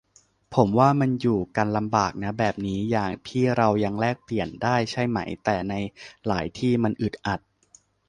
ผมว่ามันอยู่กันลำบากนะแบบนี้ อย่างพี่เรายังแลกเปลี่ยนได้ใช่ไหม แต่ในหลายที่มันอึดอัด